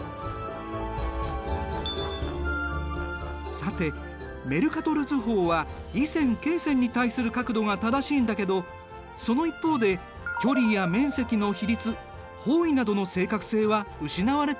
さてメルカトル図法は緯線・経線に対する角度が正しいんだけどその一方で距離や面積の比率方位などの正確性は失われているんだ。